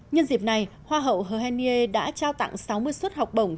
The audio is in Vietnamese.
nhân dịp này hoa hậu hờ hen nghê đã trao tặng sáu mươi suất học bổng